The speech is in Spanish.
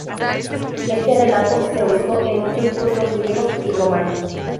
Este relato se usó en muchos cultos griegos y romanos.